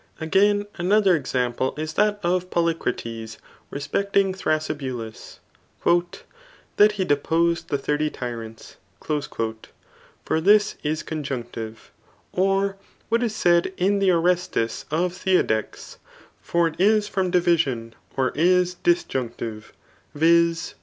Again, another ex ample k that of Polycrates re^>eGtbg Thrasybultts» «<That he deposed the thirty, tyrants." • For this is con junctive. Or what k said in dK Orestes of Theodectes ; for it is from dirision, [or is disjunctive,] vis.